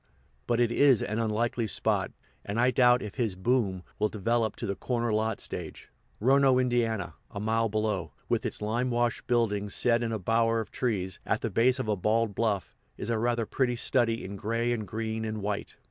But it is an unlikely spot, and I doubt if his "boom" will develop to the corner lot stage. Rono, Ind., a mile below, with its limewashed buildings set in a bower of trees, at the base of a bald bluff, is a rather pretty study in gray and green and white.